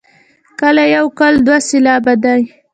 کله یو او کله دوه سېلابه دی.